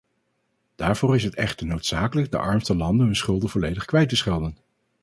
Daarvoor is het echter noodzakelijk de armste landen hun schulden volledig kwijt te schelden.